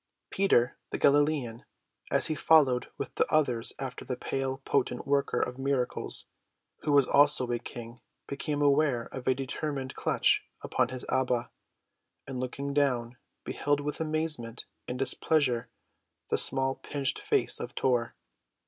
Peter, the Galilean, as he followed with the others after the pale, potent worker of miracles, who was also a King, became aware of a determined clutch upon his abba, and, looking down, beheld with amazement and displeasure the small, pinched face of Tor.